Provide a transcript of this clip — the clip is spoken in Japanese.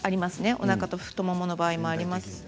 おなかと太ももの場合もあります。